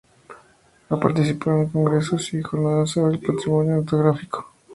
Ha participado en congresos y jornadas sobre el patrimonio etnográfico.